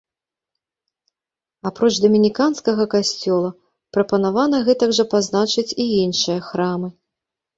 Апроч дамініканскага касцёла, прапанавана гэтак жа пазначыць і іншыя храмы.